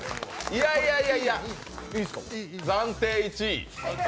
いやいや暫定１位。